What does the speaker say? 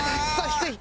低い！